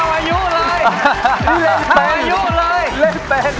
เราจะช่วยหนุ่มน้อยคนนี้กันได้เลยครับ